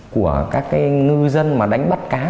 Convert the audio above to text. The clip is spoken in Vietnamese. của các cái ngư dân mà đánh bắt cá